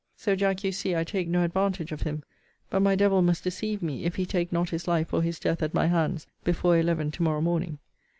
So, Jack, you see I take no advantage of him: but my devil must deceive me, if he take not his life or his death at my hands before eleven to morrow morning.